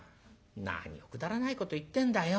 「何をくだらないこと言ってんだよ。